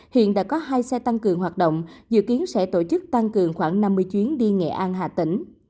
hiện đã có hai xe tăng cường hoạt động dự kiến sẽ tổ chức tăng cường khoảng năm mươi chuyến đi nghệ an hà tĩnh